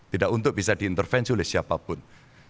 tidak untuk bisa diintervensi oleh siapapun